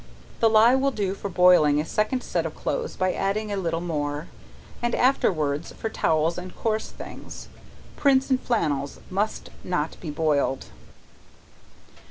The ley will do for boiling a second set of clothes by adding a little more, and afterwards for towels and coarse things. Prints and flannels must not be boiled.